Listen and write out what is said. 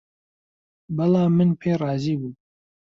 بەڵام من پێی رازی بووم